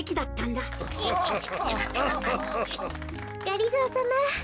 がりぞーさま。